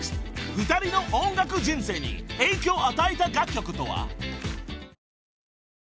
２人の音楽人生に影響を与えた楽曲とは］